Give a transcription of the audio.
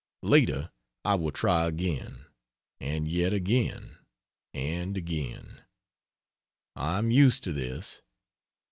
Later I will try again and yet again and again. I am used to this.